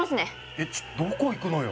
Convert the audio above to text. えっちょっどこ行くのよ